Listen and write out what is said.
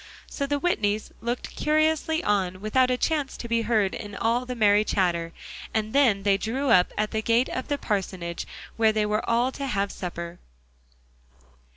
So the Whitneys looked curiously on, without a chance to be heard in all the merry chatter; and then they drew up at the gate of the parsonage, where they were all to have supper.